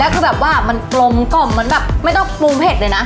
คือแบบว่ามันกลมกล่อมเหมือนแบบไม่ต้องปรุงเผ็ดเลยนะ